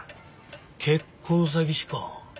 結婚詐欺師か。